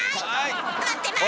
待ってます。